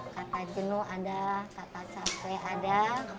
kata jenuh ada kata capek ada